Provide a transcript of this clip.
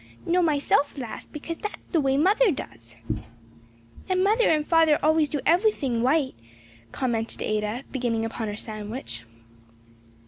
"No, myself last, because that's the way mother does." "And mother and father always do everything right," commented Ada, beginning upon her sandwich.